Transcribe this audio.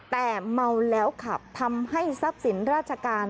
แต่เมาแล้วขับทำให้ทรัพย์สินราชการ